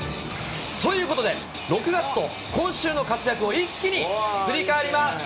ということで、６月と今週の活躍を一気に振り返ります。